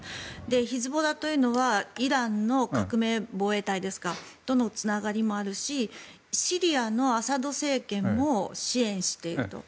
ヒズボラというのはイランの革命防衛隊とのどのつながりもあるしシリアのアサド政権も支援していると。